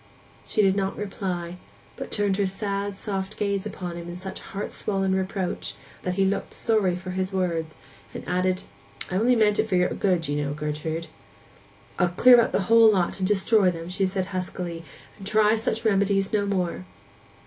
She did not reply, but turned her sad, soft glance upon him in such heart swollen reproach that he looked sorry for his words, and added, 'I only meant it for your good, you know, Gertrude.' 'I'll clear out the whole lot, and destroy them,' said she huskily, 'and try such remedies no more!